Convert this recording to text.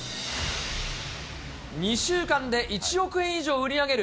２週間で１億円以上売り上げる